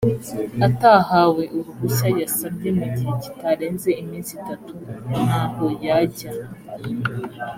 atahawe uruhushya yasabye mu gihe kitarenze iminsi itatu ntaho yajya